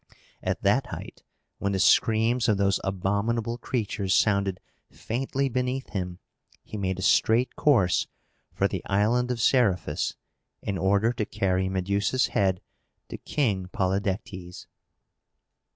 At that height, when the screams of those abominable creatures sounded faintly beneath him, he made a straight course for the island of Seriphus, in order to carry Medusa's head to King Polydectes.